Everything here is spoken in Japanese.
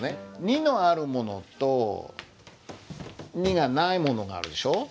「に」のあるものと「に」がないものがあるでしょう。